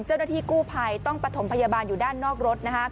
เจ้าหน้าที่กู้ภัยต้องประถมพยาบาลอยู่ด้านนอกรถ